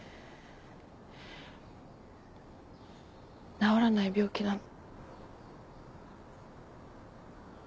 治らない病気なの。